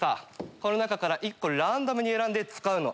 この中から１個ランダムに選んで使うの。